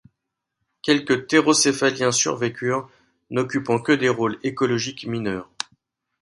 Quelques thérocéphaliens survécurent, n'occupant que des rôles écologiques mineurs.